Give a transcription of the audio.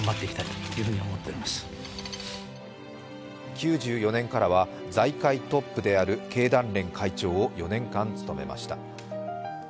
９４年からは財界トップである経団連会長を４年間務めました。